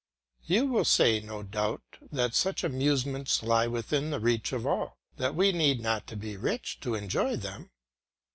You will say, no doubt, that such amusements lie within the reach of all, that we need not be rich to enjoy them.